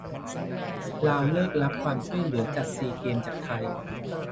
ลาวเลิกรับความช่วยเหลือจัด "ซีเกมส์" จากไทย